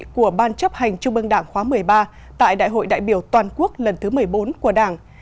của bàn chấp hành chung mương đảng khóa một mươi ba tại đại hội đại biểu toàn quốc lần thứ một mươi bốn của đảng